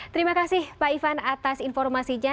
terima kasih pak ivan atas informasinya